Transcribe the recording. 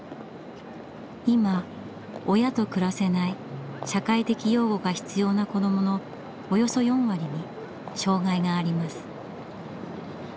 今親と暮らせない社会的養護が必要な子どものおよそ４割に障害があります。